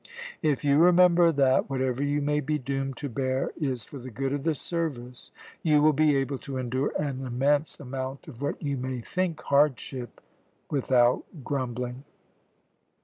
If you remember that whatever you may be doomed to bear is for the good of the service, you will be able to endure an immense amount of what you may think hardship without grumbling.